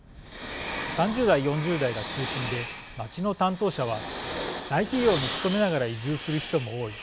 ３０代、４０代が中心で町の担当者は「大企業に勤めながら移住する人も多い。